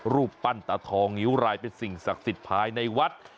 รูปปั้นตาทองนิ้วรายเป็นสิ่งศักดิ์สิทธิ์ภายในวัด